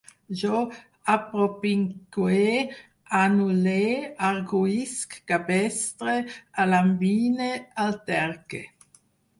Jo apropinqüe, anul·le, arguïsc, cabestre, alambine, alterque